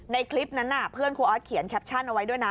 คลิปนั้นเพื่อนครูออสเขียนแคปชั่นเอาไว้ด้วยนะ